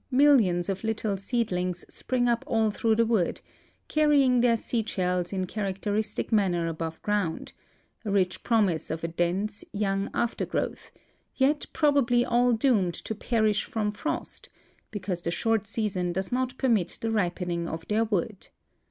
millions of little seedlings spririg up all through the wood, car rying their seed shells in characteristic manner above ground, a rich promise of a dense, j^'oung aftergrowth, yet probably all doomed to perish from frost, because the short season does not permit the ripening of their wood.